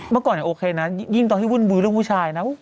เมื่อก่อนโอเคนะยิ่งตอนที่วุ่นเรื่องผู้ชายนะ